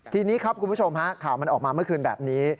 ทีนี้ครับคุณผู้ชมฮะข่าวมันออกมาเมื่อคืนแบบนี้